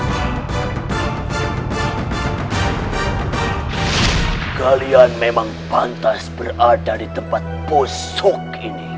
hai kalian memang pantas berada di tempat posok ini